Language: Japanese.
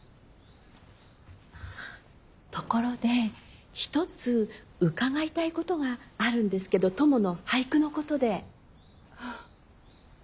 ところで一つ伺いたいことがあるんですけどトモの俳句のことで。